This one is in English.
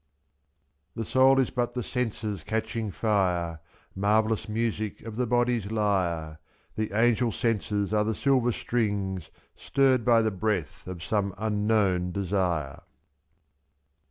The soul is but the senses catching fire. Marvellous music of the body's lyre, — r^2.The angel senses are the silver strings Stirred by the breath of some unknown desire.